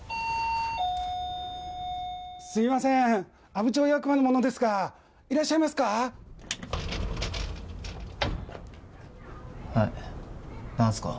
すみません、阿武町役場の者ですが、いらっしゃいますか。